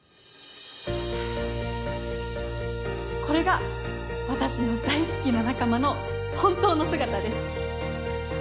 これが私の大好きな仲間の本当の姿です。